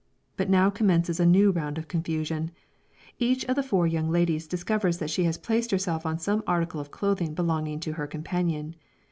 But now commences a new round of confusion. Each of the four young ladies discovers that she has placed herself on some article of clothing belonging to her companion.